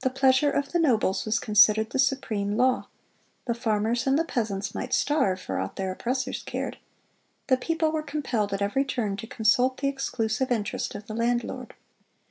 "The pleasure of the nobles was considered the supreme law; the farmers and the peasants might starve, for aught their oppressors cared.... The people were compelled at every turn to consult the exclusive interest of the landlord.